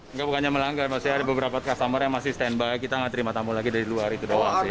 enggak bukannya melanggar maksudnya ada beberapa customer yang masih standby kita nggak terima tamu lagi dari luar itu doang sih